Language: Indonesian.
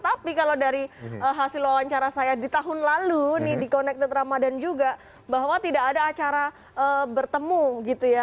tapi kalau dari hasil wawancara saya di tahun lalu nih di connected ramadan juga bahwa tidak ada acara bertemu gitu ya